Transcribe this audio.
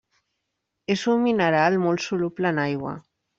És un mineral molt soluble en aigua.